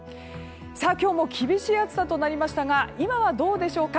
今日も厳しい暑さとなりましたが今はどうでしょうか。